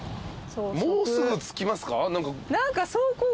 もうすぐ着きますか？